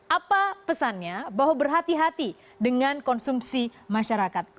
apa pesannya bahwa berhati hati dengan konsumsi masyarakat